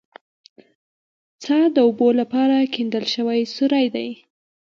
څا د اوبو لپاره کیندل شوی سوری دی